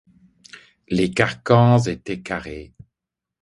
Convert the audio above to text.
Les carcans étaient carrés.